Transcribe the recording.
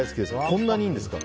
こんなにいいんですか？